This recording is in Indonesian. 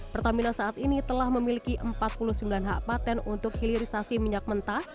pertamina saat ini telah memiliki empat puluh sembilan hak patent untuk hilirisasi minyak mentah